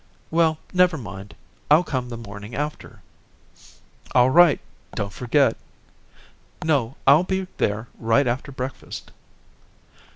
"Well, never mind. I'll come the morning after." "All right, don't forget." "No, I'll be there right after breakfast."